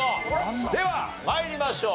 では参りましょう。